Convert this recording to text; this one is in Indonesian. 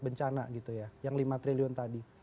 bencana gitu ya yang lima triliun tadi